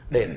để tự nhiên